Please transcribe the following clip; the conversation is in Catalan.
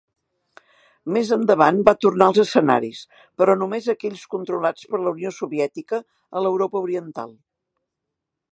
Més endavant va tornar als escenaris però només a aquells controlats per la Unió Soviètica a l'Europa oriental.